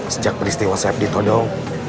sejak peristiwa saeb ditodong